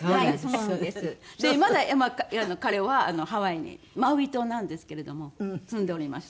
それでまだ彼はハワイにマウイ島なんですけれども住んでおります。